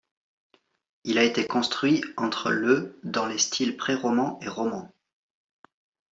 Il a été construit entre le dans les styles préroman et roman.